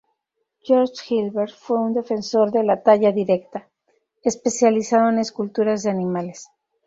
Georges Hilbert fue un defensor de la talla directa, especializado en esculturas de animales.